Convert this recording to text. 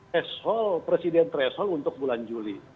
tash hall presiden tash hall untuk bulan juli